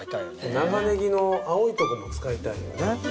長ねぎの青いとこも使いたいよね